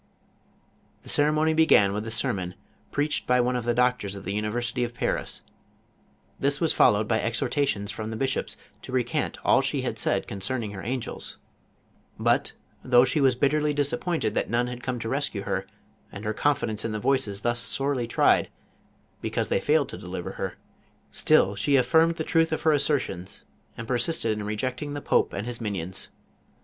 The ceremony began with a sermon, preached by one of the doctors of the university of Paris. This was followed by exhorta tions from the bishops to recant all she had said con cerning her angels, but though she was bitterly disap pointed that none had come to rescue her, and her confidence in the voices thus sorely tried, because they failed to deliver her, still she affirmed the truth of her assertions and persisted in rejecting the pope and his minions.